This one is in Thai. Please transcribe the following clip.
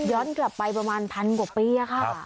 กลับไปประมาณพันกว่าปีค่ะ